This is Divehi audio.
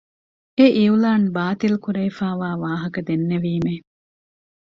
އެ އިއުލާން ބާތިލްކުރެވިފައިވާ ވާހަކަ ދެންނެވީމެވެ.